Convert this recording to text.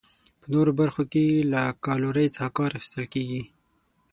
په نورو برخو کې له کالورۍ څخه کار اخیستل کیږي.